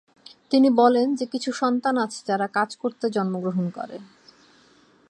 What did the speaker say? তিনি বলেন যে কিছু সন্তান আছে যারা "কাজ করতে জন্মগ্রহণ" করে।